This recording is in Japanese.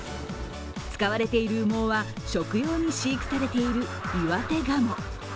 使われている羽毛は食用に飼育されている岩手がも。